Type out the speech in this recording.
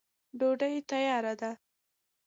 ډوډۍ تیاره ده.